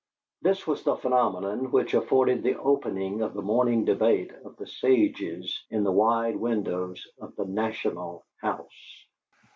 This was the phenomenon which afforded the opening of the morning debate of the sages in the wide windows of the "National House."